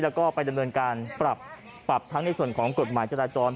แล้วก็ไปดำเนินการปรับปรับทั้งในส่วนของกฎหมายจราจร